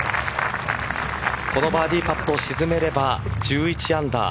このバーディーパットを沈めれば１１アンダー。